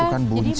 itu kan buncis